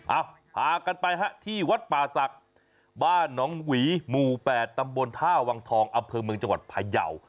พากันไปฮะที่วัดป่าศักดิ์บ้านหนองหวีหมู่๘ตำบลท่าวังทองอำเภอเมืองจังหวัดพยาว